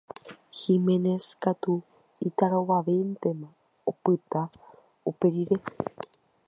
Giménez katu itarovavéntema opyta uperire.